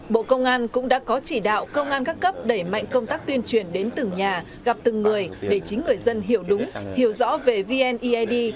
bộ công an cũng đã có chỉ đạo công an các cấp đẩy mạnh công tác tuyên truyền đến từng nhà gặp từng người để chính người dân hiểu đúng hiểu rõ về vneid